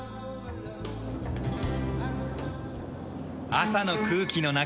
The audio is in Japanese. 朝の空気の中